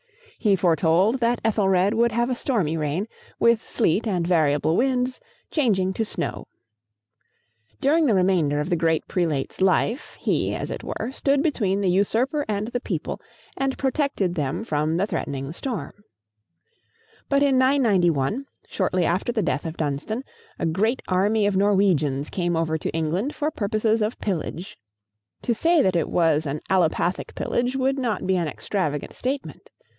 He foretold that Ethelred would have a stormy reign, with sleet and variable winds, changing to snow. During the remainder of the great prelate's life he, as it were, stood between the usurper and the people, and protected them from the threatening storm. But in 991, shortly after the death of Dunstan, a great army of Norwegians came over to England for purposes of pillage. To say that it was an allopathic pillage would not be an extravagant statement.